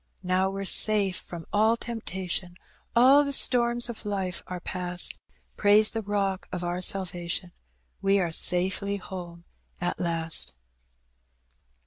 "Now we're safe from all temptation, All the storms of life are past ; Praise the Bock of our salvation. We are safely home at last.'